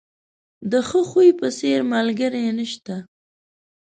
د ښه خوی په څېر، ملګری نشته.